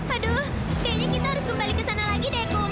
aduh kayaknya kita harus kembali ke sana lagi deh